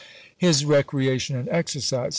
"His Recreation and Exercise.